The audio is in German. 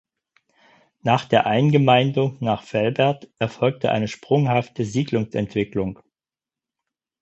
Nach der Eingemeindung nach Velbert erfolgte eine sprunghafte Siedlungsentwicklung.